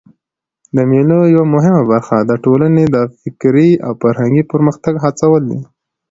د مېلو یوه مهمه موخه د ټولني د فکري او فرهنګي پرمختګ هڅول دي.